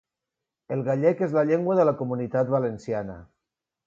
El gallec és la llengua de La Comunitat Valenciana.